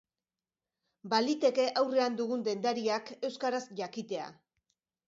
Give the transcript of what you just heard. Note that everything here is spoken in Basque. Baliteke aurrean dugun dendariak euskaraz jakitea.